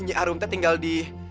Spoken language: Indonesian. ini arumte tinggal di